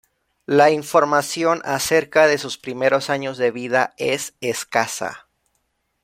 La información acerca de sus primeros años de vida es escasa.